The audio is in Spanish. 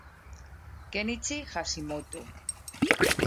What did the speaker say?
Kenichi Hashimoto